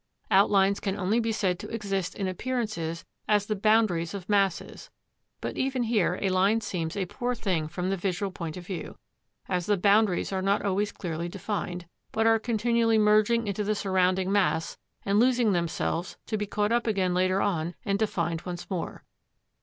Outlines can only be said to exist in appearances as the boundaries of masses. But even here a line seems a poor thing from the visual point of view; as the boundaries are not always clearly defined, but are continually merging into the surrounding mass and losing themselves to be caught up again later on and defined once more.